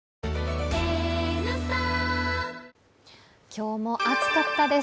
今日も暑かったです。